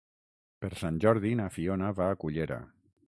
Per Sant Jordi na Fiona va a Cullera.